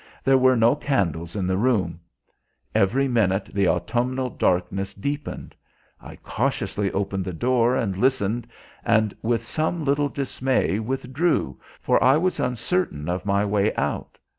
There were no candles in the room; every minute the autumnal darkness deepened. I cautiously opened the door and listened, and with some little dismay withdrew, for I was uncertain of my way out.